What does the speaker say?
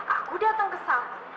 aku datang ke salon